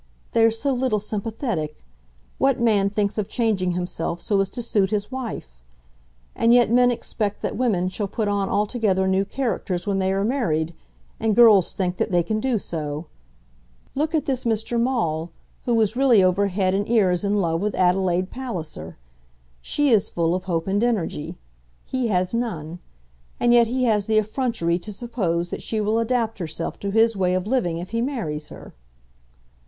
They are so little sympathetic. What man thinks of changing himself so as to suit his wife? And yet men expect that women shall put on altogether new characters when they are married, and girls think that they can do so. Look at this Mr. Maule, who is really over head and ears in love with Adelaide Palliser. She is full of hope and energy. He has none. And yet he has the effrontery to suppose that she will adapt herself to his way of living if he marries her."